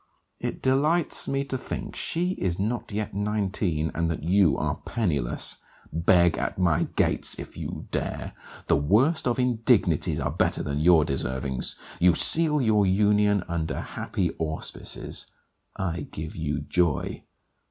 It delights me to think she is not yet nineteen, and that you are pennyless. Beg at my gates if you dare! The worst of indignities are better than your deservings. You seal your union under happy auspices. I give you joy.